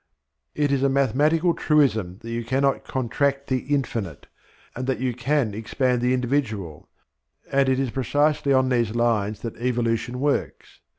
It is a mathematical truism that you cannot contract the infinite, and that you can expand the individual; and it is precisely on these lines that evolution works.